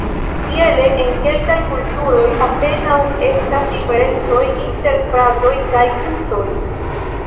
Tiele en kelkaj kulturoj apenaŭ estas diferencoj inter fratoj kaj kuzoj.